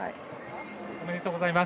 おめでとうございます。